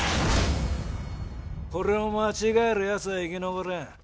これを間違えるやつは生き残れん。